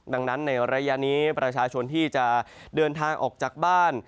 ดังนั้นในระยะนี้ประชาชนที่จะเดินทางออกจากบ้าน